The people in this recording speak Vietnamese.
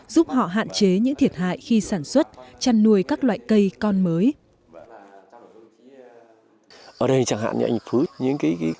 giúp họ hạn chế những thiệt hại khi sản xuất chăn nuôi các loại cây con mới